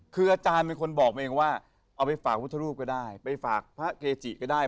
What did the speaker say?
คืออาจารย์เป็นคนบอกเองว่าเอาไปฝากพุทธรูปก็ได้ไปฝากพระเกจิก็ได้